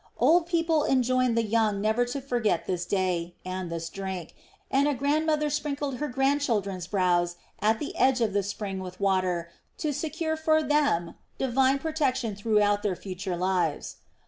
Old people enjoined the young never to forget this day and this drink, and a grandmother sprinkled her grandchildren's brows at the edge of the spring with water to secure for them divine protection throughout their future lives.